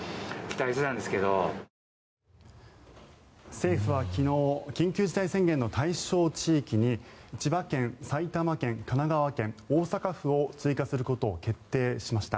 政府は昨日緊急事態宣言の対象地域に千葉県、埼玉県、神奈川県大阪府を追加することを決定しました。